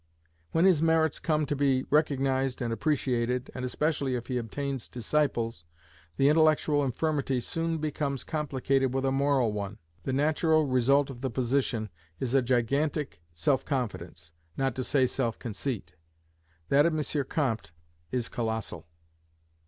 When his merits come to be recognised and appreciated, and especially if he obtains disciples, the intellectual infirmity soon becomes complicated with a moral one. The natural result of the position is a gigantic self confidence, not to say self conceit. That of M. Comte is colossal.